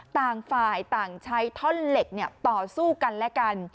ต่างฝ่ายต่างใช้ท่อนเหล็กต่อสู้กันและกัน